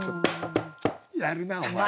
やるなお前。